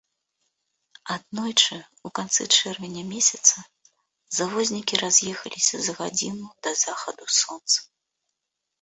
Аднойчы, у канцы чэрвеня месяца завознікі раз'ехаліся за гадзіну да захаду сонца.